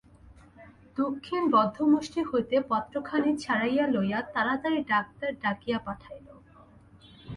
দক্ষিণ বদ্ধমুষ্টি হইতে পত্রখানি ছাড়াইয়া লইয়া তাড়াতাড়ি ডাক্তার ডাকিয়া পাঠাইল।